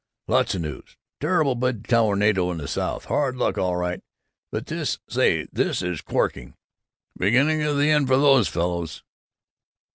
"Lots of news. Terrible big tornado in the South. Hard luck, all right. But this, say, this is corking! Beginning of the end for those fellows!